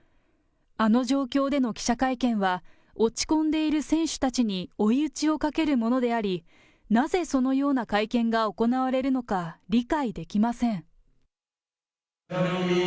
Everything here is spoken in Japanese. あの状況での記者会見は、落ち込んでいる選手たちに追い打ちをかけるものであり、なぜそのような会見が行われるのか理解できません。